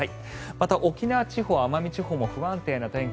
また、沖縄地方、奄美地方も不安定な天気。